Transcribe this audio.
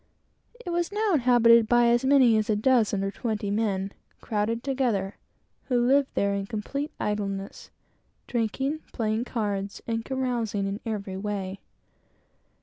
It was now inhabited by as many as a dozen or twenty men, who lived there in complete idleness drinking, playing cards, and carousing in every way.